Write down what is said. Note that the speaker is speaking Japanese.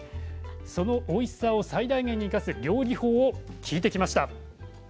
そのおいしさを最大限に生かす料理法を聞いてきました。